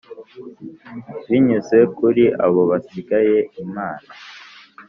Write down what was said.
binyuze kuri abo basigaye imana